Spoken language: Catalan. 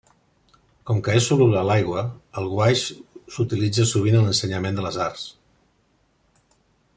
Com que és soluble a l'aigua, el guaix s'utilitza sovint en l'ensenyament de les arts.